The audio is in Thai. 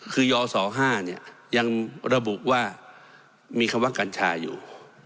คือยศ๕เนี่ยยังระบุว่ามีคำว่ากัญชาอยู่